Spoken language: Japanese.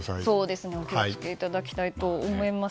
お気を付けいただきたいと思います。